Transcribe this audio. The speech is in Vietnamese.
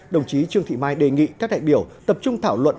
đồng chí trương thị mai đề nghị các đại biểu tập trung thảo luận